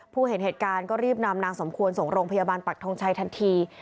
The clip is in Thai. เห็นเหตุการณ์ก็รีบนำนางสมควรส่งโรงพยาบาลปักทงชัยทันที